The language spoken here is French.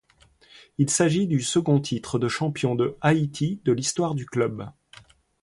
Il s'agit du second titre de champion de Haïti de l'histoire du club.